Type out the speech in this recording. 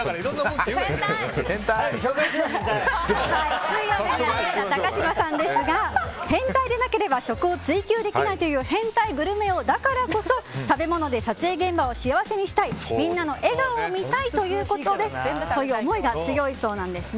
水曜メンバーの高嶋さんですが変態でなければ食を追求できないという変態グルメ王だからこそ食べ物で撮影現場を幸せにしたいみんなの笑顔を見たいということでそういう思いが強いそうなんです。